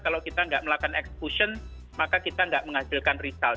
kalau kita nggak melakukan eksekusi maka kita nggak menghasilkan hasil